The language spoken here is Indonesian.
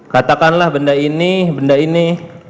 katakanlah benda ini benda ini